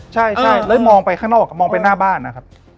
ใช่เลยมองไปข้างนอกมองไปหน้าบ้านนะครับ